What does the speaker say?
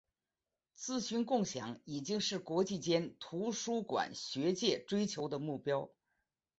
资讯共享已经是国际间图书馆学界追求的目标。